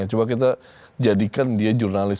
coba kita jadikan dia jurnalis